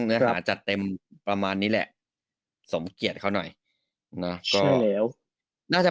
เนื้อหาจัดเต็มประมาณนี้แหละสมเกียจเขาหน่อยนะก็แล้วน่าจะ